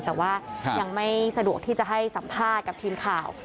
แต่ว่ายังไม่สะดวกที่จะให้สัมภาษณ์กับทีมข่าว